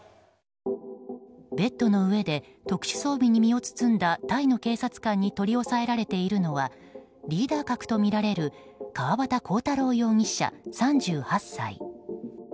ベッドの上で特殊装備に身を包んだタイの警察官に取り押さえられているのはリーダー格とみられる川端浩太郎容疑者、３８歳。